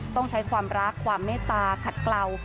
ต้องใช้ความรักความเมตตาขัดเกลา